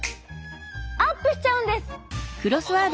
アップしちゃうんです！